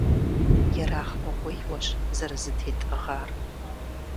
Ерагъмыгъуейуэщ зэрызэтетӀыгъар.